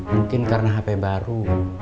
mungkin karena hp baru